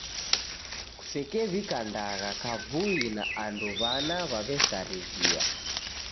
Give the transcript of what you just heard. Kusekew'ika ndagha kavui na andu w'ana w'aw'esarighia.